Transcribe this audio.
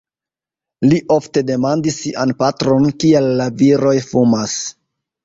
Li ofte demandis sian patron, kial la viroj fumas.